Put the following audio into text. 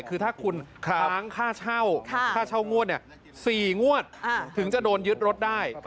คือถ้าคุณค้างค่าเช่าค่าเช่างวด๔งวดถึงจะโดนยึดรถได้